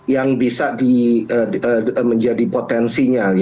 yang bisa menjadi potensinya